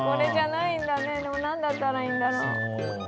何だったらいいんだろう。